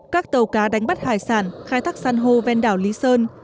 các tàu cá đánh bắt hải sản khai thác san hô ven đảo lý sơn